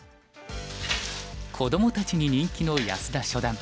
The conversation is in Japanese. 子どもたちに人気の安田初段。